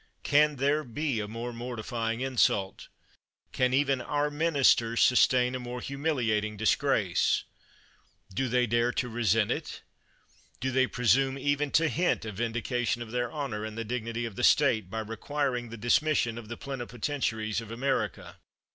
Can there be a more mortifying insult? Can even our ministers sustain a more humiliating disgrace? Do they dare to resent it? Do they presume even to hint a vindication of their honor, and the dignity of the State, by requiring the dismission of the plenipotentiaries of Amer ica